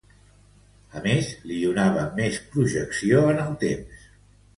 A més, li donava més projecció en el temps.